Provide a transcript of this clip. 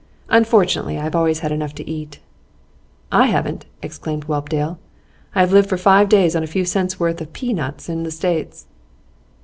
Unfortunately, I have always had enough to eat.' 'I haven't,' exclaimed Whelpdale. 'I have lived for five days on a few cents' worth of pea nuts in the States.